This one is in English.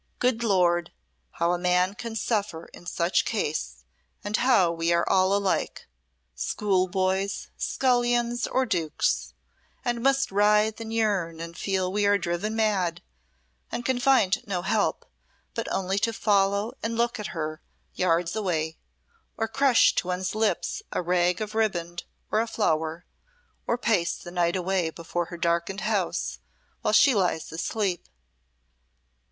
"Good Lord! how a man can suffer in such case, and how we are all alike schoolboys, scullions, or Dukes and must writhe and yearn and feel we are driven mad, and can find no help but only to follow and look at her, yards away, or crush to one's lips a rag of ribband or a flower, or pace the night away before her darkened house while she lies asleep.